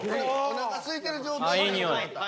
おなかすいてる状態で。